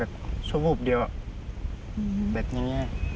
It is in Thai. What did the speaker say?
แบบชั่วพูดเดียวแบบนี้